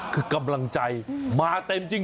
คือกำลังใจมาเต็มจริง